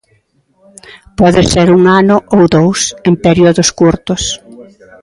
Pode ser un ano ou dous, en períodos curtos.